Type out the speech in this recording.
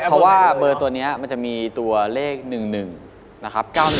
เพราะว่าเบอร์ตัวนี้มันจะมีตัวเลข๑๑นะครับ